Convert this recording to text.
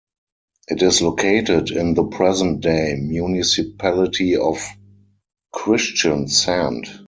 It is located in the present-day municipality of Kristiansand.